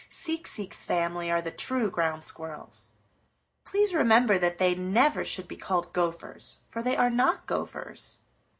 "Seek Seek's family are the true Ground Squirrels. Please remember that they never should be called Gophers, for they are not Gophers.